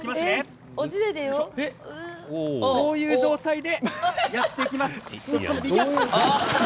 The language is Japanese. こういう状態でやっていきます。